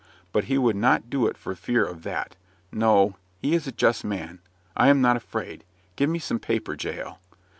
But he would not do it for fear of that. No, he is a just man I am not afraid. Give me some paper, Jael."